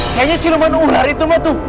kayaknya siluman ular itu mah tuh